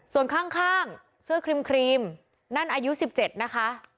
ส่วนข้างข้างเสื้อครีมครีมนั่นอายุสิบเจ็ดนะคะ